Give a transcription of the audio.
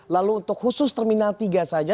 lalu untuk khusus terminal tiga saja